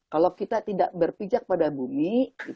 kalau kita tidak berpijak pada bumi